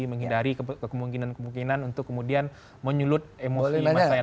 menghindari kemungkinan kemungkinan untuk kemudian menyulut emosi masyarakat